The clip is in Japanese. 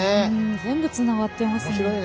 全部つながってますね。